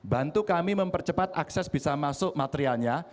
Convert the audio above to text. bantu kami mempercepat akses bisa masuk materialnya